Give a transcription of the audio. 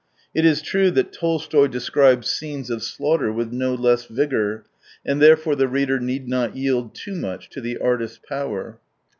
It is true that Tolstoy describes scenes of slaughter with no less vigour, and therefore the reader need not yield too much to the artist's power.